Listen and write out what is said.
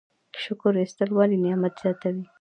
شکر ایستل ولې نعمت زیاتوي؟